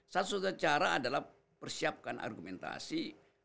satu satu cara adalah persiapkan argumentasi